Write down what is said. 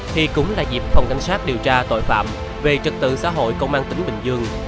thì cũng là dịp phòng cảnh sát điều tra tội phạm về trật tự xã hội công an tỉnh bình dương